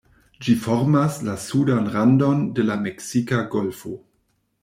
Ĝi formas la sudan randon de la Meksika Golfo.